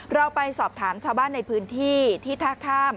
เราไปสอบถามชาวบ้านในพื้นที่ที่ท่าข้าม